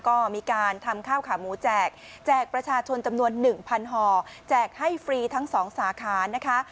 ก็มีการทำข้าวขาหมูแจกแจกประชาชนจำนวน๑๐๐ห่อแจกให้ฟรีทั้งสองสาขานะคะ